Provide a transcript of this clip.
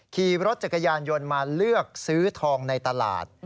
ขี่รถจักรยานยนต์มาเลือกซื้อทองในตลาด